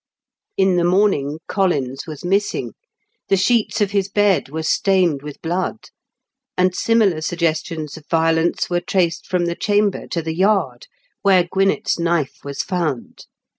In the morning, Collins was missing, the sheets of his bed were stained with blood, and similar suggestions of violence were traced from the chamber to the yard, where Gwinett's knife was found.